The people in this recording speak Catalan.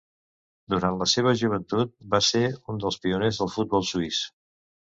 Durant la seva joventut va ser un dels pioners del futbol suís.